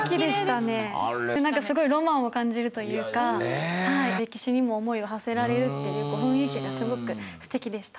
すごいロマンを感じるというか歴史にも思いをはせられるという雰囲気がすごくすてきでした。